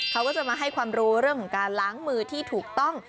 เขาก็จะมาให้ความรู้เรื่องของการล้างมือที่ถูกต้อง